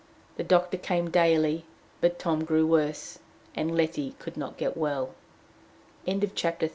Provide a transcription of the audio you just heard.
The doctor came daily, but Tom grew worse, and Letty could not get well. CHAPTER XL.